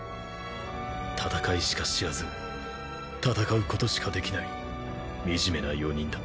戦いしか知らず戦うことしかできない惨めな４人だ。